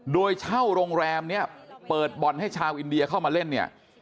โดยเช่าโรงแรมเนี่ยเปิดบ่อนให้ชาวอินเดียเข้ามาเล่นเนี่ย